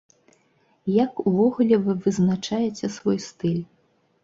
Як увогуле вы вызначаеце свой стыль?